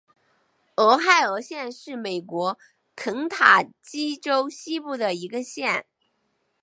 俄亥俄县是美国肯塔基州西部的一个县。